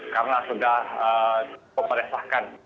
karena sudah cukup meresahkan